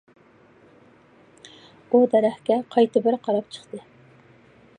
ئۇ دەرەخكە قايتا بىر قاراپ چىقتى.